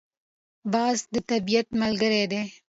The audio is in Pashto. باز د طبیعت ملګری دی